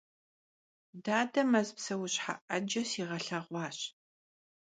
Dade mez pseuşhe 'ece siğelheğuaş.